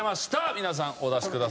皆さんお出しください。